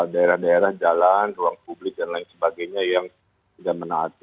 daerah daerah jalan ruang publik dan lain sebagainya yang sudah menaati